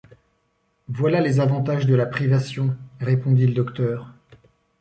Voilà les avantages de la privation, répondit le docteur.